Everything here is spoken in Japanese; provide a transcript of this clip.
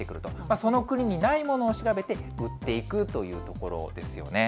その国にないものを調べて、売っていくというところですよね。